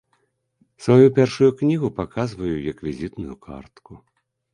Сваю першую кнігу паказваю як візітную картку.